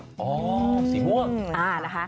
อ๋อสีม่วง